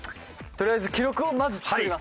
とりあえず記録をまず作ります。